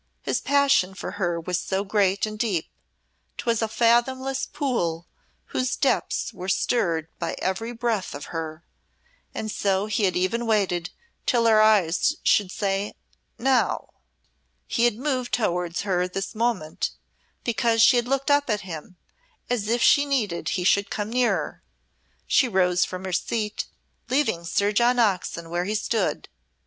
His passion for her was so great and deep, 'twas a fathomless pool whose depths were stirred by every breath of her, and so he had even waited till her eyes should say "Now!" He had moved towards her this moment, because she had looked up at him, as if she needed he should come nearer. She rose from her seat, leaving Sir John Oxon where he stood.